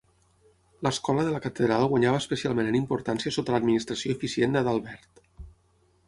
L'escola de la catedral guanyava especialment en importància sota l'administració eficient d'Adalbert.